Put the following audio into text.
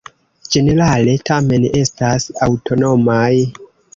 Ĝenerale tamen estas aŭtonomaj.